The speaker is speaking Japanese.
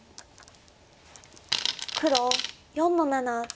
黒４の七。